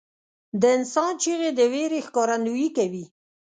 • د انسان چیغې د وېرې ښکارندویي کوي.